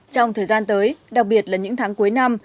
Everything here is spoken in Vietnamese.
trong thời gian tới đặc biệt là những tháng cuối năm